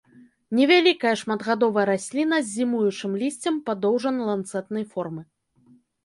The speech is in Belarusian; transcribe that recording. Невялікая шматгадовая расліна з зімуючым лісцем падоўжана-ланцэтнай формы.